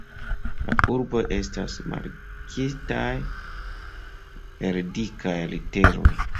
La urboj estas markitaj per dikaj literoj.